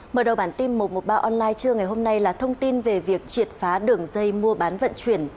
mở đầu bản tin một trăm một mươi ba online trưa ngày hôm nay là thông tin về việc triệt phá đường dây mua bán vận chuyển